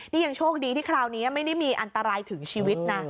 นี่ยังโชคดีที่คราวนี้ไม่ได้มีอันตรายถึงชีวิตนะ